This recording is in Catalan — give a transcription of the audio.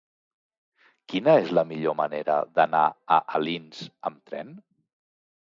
Quina és la millor manera d'anar a Alins amb tren?